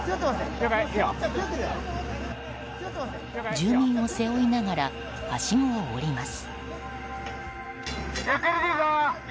住民を背負いながらはしごを下ります。